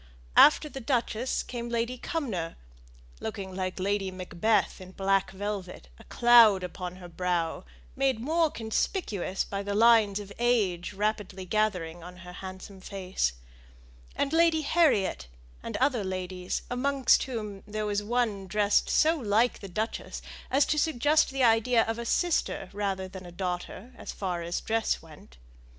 After the duchess came Lady Cumnor, looking like Lady Macbeth in black velvet a cloud upon her brow, made more conspicuous by the lines of age rapidly gathering on her handsome face; and Lady Harriet, and other ladies, amongst whom there was one dressed so like the duchess as to suggest the idea of a sister rather than a daughter, as far as dress went.